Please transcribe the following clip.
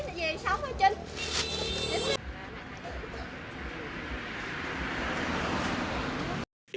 trái này gì sống hả trinh